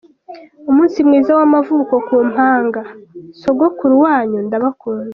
Umunsi mwiza w’amavuko ku mpanga, sogokuru wanyu ndabakunda.